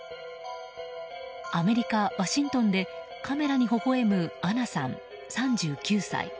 アメリカ・ワシントンでカメラにほほ笑むアナさん３９歳。